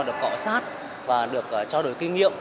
được cọ sát và được cho đổi kinh nghiệm